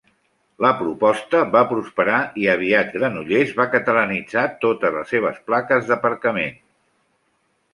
La proposta va prosperar, i aviat Granollers va catalanitzar totes les seves plaques d'aparcament.